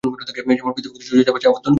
যেমন পৃথিবীকে সূর্যের চারপাশে আবর্তন করছে।